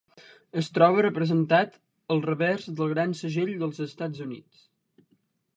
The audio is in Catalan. Es troba representat al revers del Gran Segell dels Estats Units.